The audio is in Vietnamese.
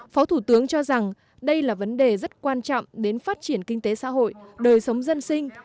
phó thủ tướng cho rằng đây là vấn đề rất quan trọng đến phát triển kinh tế xã hội đời sống dân sinh